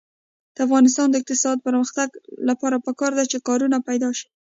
د افغانستان د اقتصادي پرمختګ لپاره پکار ده چې کارونه پیدا شي.